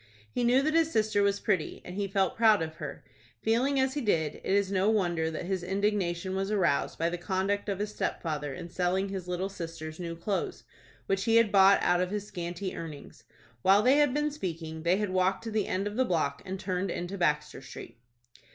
He knew that his sister was pretty, and he felt proud of her. Feeling as he did, it is no wonder that his indignation was aroused by the conduct of his stepfather in selling his little sister's new clothes, which he had bought out of his scanty earnings. While they had been speaking, they had walked to the end of the block and turned into Baxter Street.